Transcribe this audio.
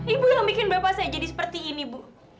ibu yang bikin bapak saya jadi seperti ini bu